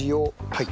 はい。